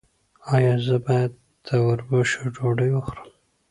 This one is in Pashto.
ایا زه باید د وربشو ډوډۍ وخورم؟